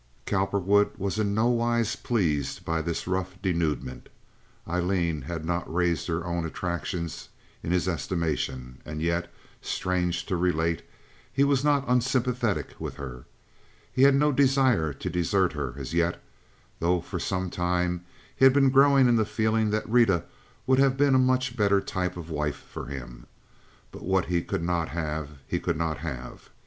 Cowperwood was in no wise pleased by this rough denouement. Aileen had not raised her own attractions in his estimation, and yet, strange to relate, he was not unsympathetic with her. He had no desire to desert her as yet, though for some time he had been growing in the feeling that Rita would have been a much better type of wife for him. But what he could not have, he could not have.